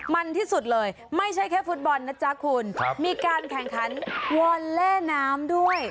มันที่สุดเลยไม่ใช่แค่ฟุตบอลนะจ๊ะคุณครับมีการแข่งขันวอนเล่นน้ำด้วย